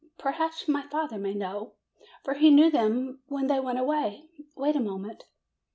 Perhaps my father may know, for he knew them when they went away. Wait a moment."